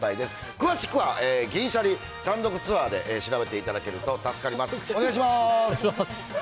詳しくは、銀シャリ、単独ツアーで調べていただけると助かります。